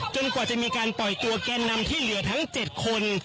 กว่าจะมีการปล่อยตัวแกนนำที่เหลือทั้ง๗คน